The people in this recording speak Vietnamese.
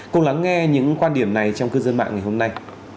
cùng lắng nghe những quan điểm này trong cư dân mạng ngày hôm nay